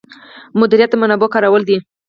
مدیریت د منابعو کارول دي